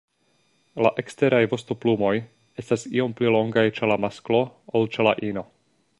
La eksteraj vostoplumoj estas iom pli longaj ĉe la masklo ol ĉe la ino.